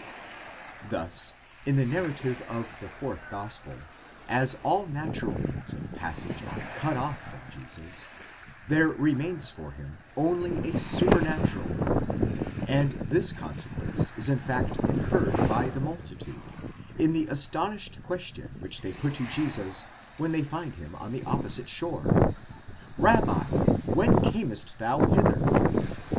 Thus in the narrative of the fourth gospel, as all natural means of passage are cut off from Jesus, there remains for him only a supernatural one, and this consequence is in fact inferred by the multitude in the astonished question which they put to Jesus, when they find him on the opposite shore: 2adéi, when camest thou hither?